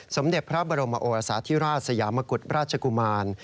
สมเด็จพระบรมโอรสาธิราชสยามกุฎราชกุมาร